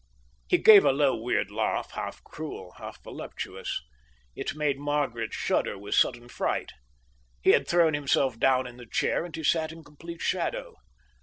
He gave a low weird laugh, half cruel, half voluptuous. It made Margaret shudder with sudden fright. He had thrown himself down in the chair, and he sat in complete shadow.